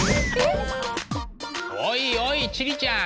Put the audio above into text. おいおい千里ちゃん！